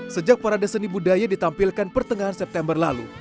sejak parade seni budaya ditampilkan pertengahan september lalu